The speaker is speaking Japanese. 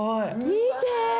見て。